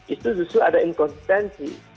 itu justru ada inkonsistensi